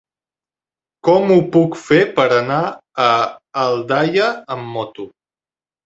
Com ho puc fer per anar a Aldaia amb moto?